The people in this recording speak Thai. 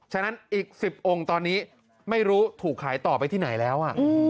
ฉะนั้นอีก๑๐องค์ตอนนี้ไม่รู้ถูกขายต่อไปที่ไหนแล้ว